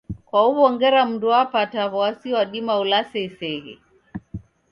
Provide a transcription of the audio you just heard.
Kwahuwo ngera mndu wapata wasi wadima ulase iseghe